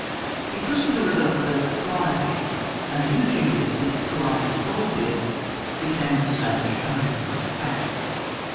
He christened the river the " Calliope," and in a few years the " Calliope goldfield " became an established and recognised fact.